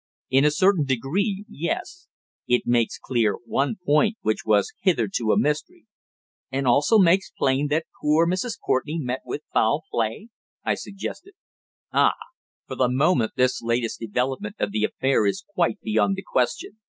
"In a certain degree yes. It makes clear one point which was hitherto a mystery." "And also makes plain that poor Mrs. Courtenay met with foul play?" I suggested. "Ah! For the moment, this latest development of the affair is quite beyond the question.